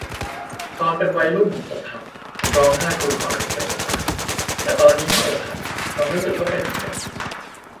ตอนเป็นวัยรุ่นผมอกหัก ผมร้องไห้ฟูมฟายจะเป็นจะตาย แต่ตอนนี้ถ้าอกหัก ความรู้สึกก็เป็นอีกแบบ